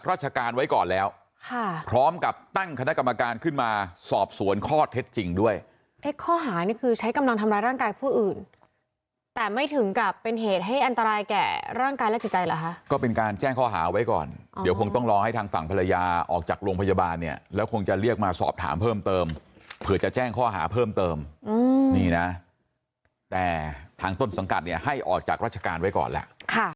ค่ะค่ะค่ะค่ะค่ะค่ะค่ะค่ะค่ะค่ะค่ะค่ะค่ะค่ะค่ะค่ะค่ะค่ะค่ะค่ะค่ะค่ะค่ะค่ะค่ะค่ะค่ะค่ะค่ะค่ะค่ะค่ะค่ะค่ะค่ะค่ะค่ะค่ะค่ะค่ะค่ะค่ะค่ะค่ะค่ะค่ะค่ะค่ะค่ะค่ะค่ะค่ะค่ะค่ะค่ะค